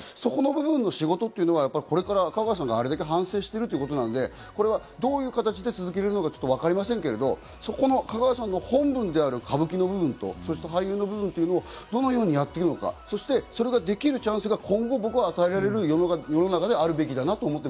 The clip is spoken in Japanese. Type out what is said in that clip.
そこの部分で仕事というのは、これから香川さんがあれだけ反省しているということなので、どういう形で続けるのかわかりませんけど、香川さんの本分である歌舞伎と俳優の部分、どのようにやっていくのか、それができるチャンスが今後、与えられるような世の中であるべ